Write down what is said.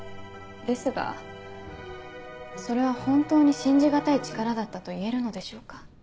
ですがそれは本当に信じがたい力だったと言えるのでしょうか？